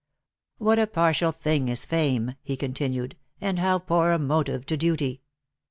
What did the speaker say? What a par tial thing is fame," he continued, " and how poor a motive to duty